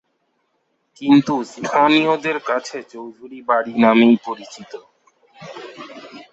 কিন্তু স্থানীয়দের কাছে চৌধুরী বাড়ি নামেই পরিচিত।